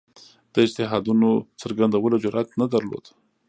د اجتهادونو څرګندولو جرئت نه درلود